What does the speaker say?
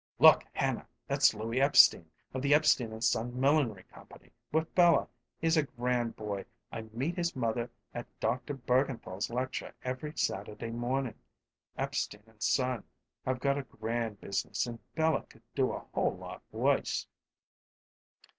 "Look, Hanna! that's Louie Epstein, of the Epstein & Son Millinery Company, with Bella. He's a grand boy. I meet his mother at Doctor Bergenthal's lecture every Saturday morning. Epstein & Son have got a grand business, and Bella could do a whole lot worse."